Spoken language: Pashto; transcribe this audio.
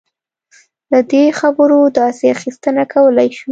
له دې خبرو داسې اخیستنه کولای شو.